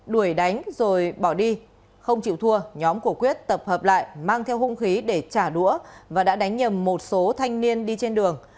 đuổi đánh rồi bỏ đi không chịu thua nhóm của quyết tập hợp lại mang theo hung khí để trả đũa và đã đánh nhầm một số thanh niên đi trên đường